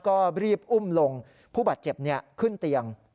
ก็รีบอุ้มลงผู้บาดเจ็บขึ้นเตียง